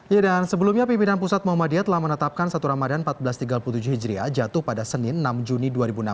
ya dan sebelumnya pimpinan pusat muhammadiyah telah menetapkan satu ramadhan seribu empat ratus tiga puluh tujuh hijriah jatuh pada senin enam juni dua ribu enam belas